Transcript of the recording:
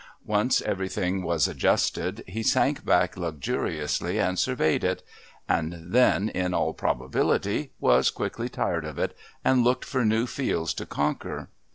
Once everything was adjusted he sank back luxuriously and surveyed it and then, in all probability, was quickly tired of it and looked for new fields to conquer.